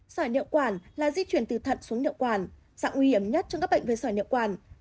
sởi niệu quản là di chuyển từ thận xuống niệu quản dạng nguy hiểm nhất trong các bệnh về sởi niệu quản